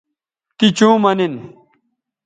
تی چوں مہ نن